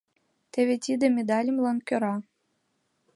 Теве тиде медалемлан кӧра.